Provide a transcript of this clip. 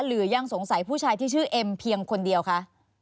หรือยังสงสัยผู้ชายที่ชื่อเอ็มเพียงคนเดียวคะ